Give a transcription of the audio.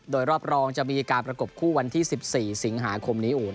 โดยรอบรองจะมีการประกบคู่วันที่๑๔สิงหาคมนี้